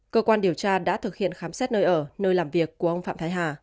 cơ quan điều tra đã thực hiện khám xét nơi ở nơi làm việc của ông phạm thái hà